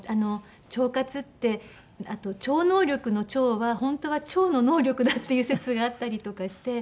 腸活って超能力の「超」は本当は腸の能力だっていう説があったりとかして。